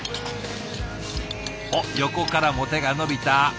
おっ横からも手が伸びた。